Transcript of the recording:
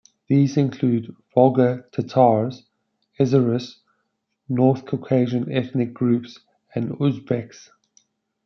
These include Volga Tatars, Azeris, North Caucasian ethnic groups and Uzbeks.